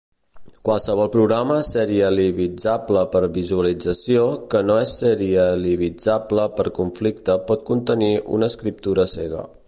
Qualsevol programa serialitzable per visualització que no és serialitzable per conflicte pot contenir una escriptura cega.